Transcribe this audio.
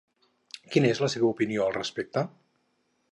Quina és la seva opinió al respecte?